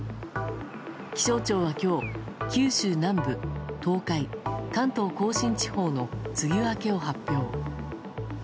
気象庁は今日、九州南部、東海関東・甲信地方の梅雨明けを発表。